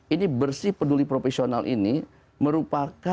ini bersih peduli profesional ini merupakan ciri ciri